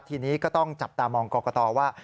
ทีนี้ก็ต้องจับตามองกรกตว่า